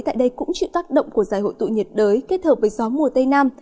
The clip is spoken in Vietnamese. tại đây cũng chịu tác động của giải hội tụ nhiệt đới kết hợp với gió mùa tây nam